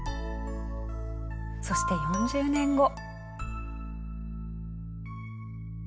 そして４０年後。